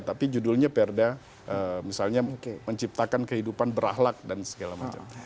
tapi judulnya perda misalnya menciptakan kehidupan berahlak dan segala macam